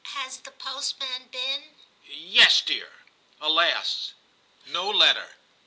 * Has the postman been ?' *Yes, dear/ Alas! no letter.